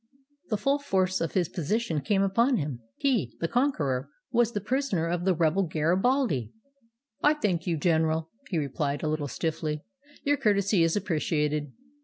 The full force of his position came upon him. He — the conqueror — was the prisoner of the rebel Garibaldi ! ''I thank you. General," he replied, a little stiflfly. "Your courtesy is appreciated.